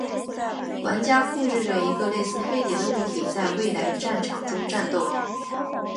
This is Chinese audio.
玩家控制着一个类似飞碟的物体在一个未来战场中战斗。